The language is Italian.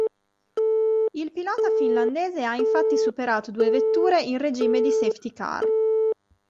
Il pilota finlandese ha infatti superato due vetture in regime di "Safety car".